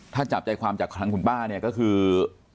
ถ้าจับใจความจากทางคุณป้าเนี่ยก็คือ